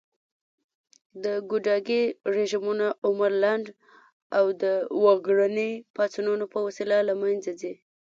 د ګوډاګي رژيمونه عمر لنډ او د وګړني پاڅونونو په وسیله له منځه ځي